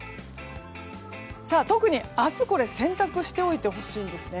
特に明日洗濯しておいてほしいですね。